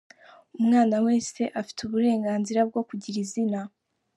Umwana wese afite uburenganzira bwo kugira izina.